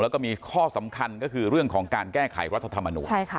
แล้วก็มีข้อสำคัญก็คือเรื่องของการแก้ไขรัฐธรรมนูญ